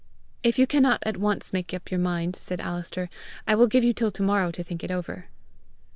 "If you cannot at once make up your mind," said Alister, "I will give you till to morrow to think it over."